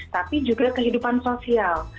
tapi juga kehidupan sosial